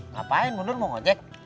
ngapain bu nur mau ngojek